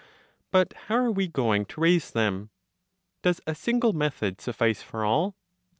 But how are we going to raise them? Does a single method suffice for all?